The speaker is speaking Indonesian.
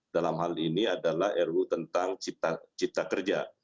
dalam hal ini adalah ruu tentang cipta kerja